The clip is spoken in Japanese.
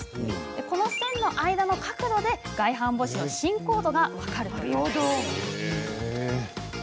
この線の間の角度で外反母趾の進行度が分かるんです。